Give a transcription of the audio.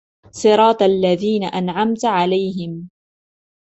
صِرَاطَ الَّذِينَ أَنْعَمْتَ عَلَيْهِمْ